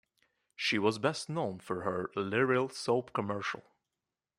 She was best known for her Liril soap commercial.